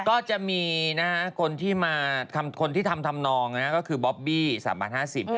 ก็จะมีนะฮะคนที่มาคนที่ทำทำนองนะคือบ๊อบบี้สามบาทห้าสิบ